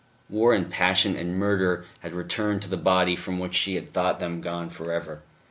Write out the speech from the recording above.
War and Passion and Murder had returned to the body from which she had thought them gone forever....